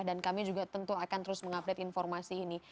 dan kami juga tentu akan terus mengupdate informasi ini